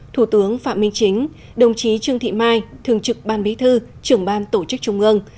thủ tướng phạm minh chính đồng chí trương thị mai thường trực ban bí thư trưởng ban tổ chức trung ương